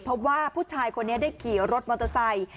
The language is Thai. พบว่าผู้ชายคนนี้ได้ขี่รถมอเตอร์ไซค์